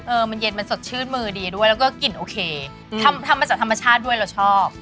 มันเย็นมันสดชื่นมือดีด้วยแล้วก็กลิ่นโอเคทำมาจากธรรมชาติด้วยเราชอบ